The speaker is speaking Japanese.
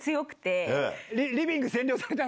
リビング占領された。